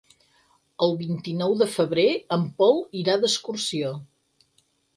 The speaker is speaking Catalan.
El vint-i-nou de febrer en Pol irà d'excursió.